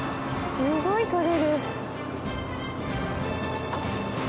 すごいとれる。